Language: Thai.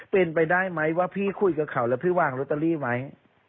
เป็นไปได้ไหมว่าพี่คุยกับเขาแล้วพี่วางลอตเตอรี่ไหม